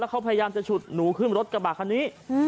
แล้วเขาพยายามจะฉุดหนูขึ้นรถกระบาดคันนี้อืม